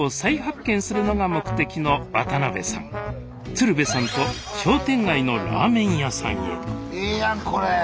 鶴瓶さんと商店街のラーメン屋さんへええやんこれ！